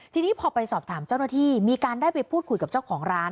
ทีนี้พอไปสอบถามเจ้าหน้าที่มีการได้ไปพูดคุยกับเจ้าของร้าน